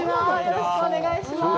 よろしくお願いします。